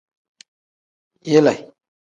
Yile.